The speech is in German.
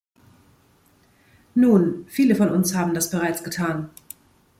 Nun, viele von uns haben das bereits getan.